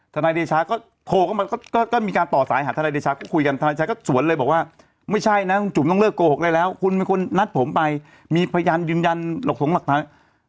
ทนายเดชาก็โทรเข้ามาก็มีการต่อสายหาทนายเดชาก็คุยกันทนายชายก็สวนเลยบอกว่าไม่ใช่นะคุณจุ๋มต้องเลิกโกหกได้แล้วคุณเป็นคนนัดผมไปมีพยานยืนยันหลักสงหลักฐาน